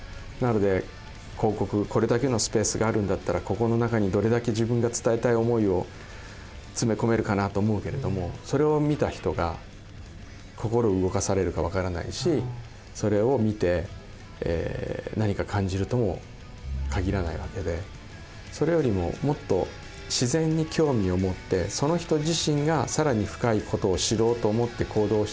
なので広告これだけのスペースがあるんだったらここの中にどれだけ自分が伝えたい思いを詰め込めるかなと思うけれどもそれを見た人が心動かされるか分からないしそれを見て何か感じるとも限らない訳でそれよりももっと自然に興味を持ってなるほど。